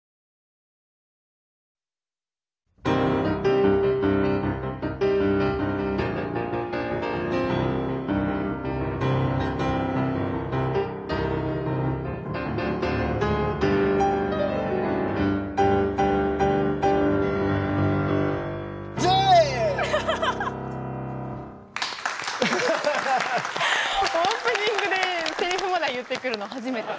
オープニングでせりふまで言ってくるの初めて。